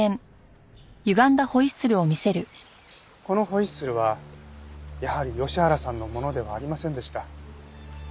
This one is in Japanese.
このホイッスルはやはり吉原さんのものではありませんでした。